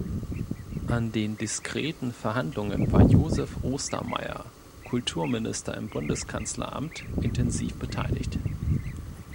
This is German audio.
An den diskreten Verhandlungen war Josef Ostermayer, Kulturminister im Bundeskanzleramt, intensiv beteiligt.